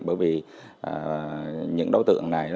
bởi vì những đối tượng này